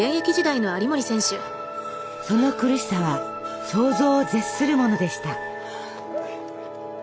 その苦しさは想像を絶するものでした。